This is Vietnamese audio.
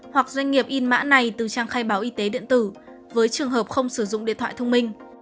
hoặc doanh nghiệp in mã này từ trang khai báo y tế điện tử với trường hợp không sử dụng điện thoại thông minh